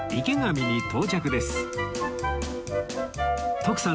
徳さん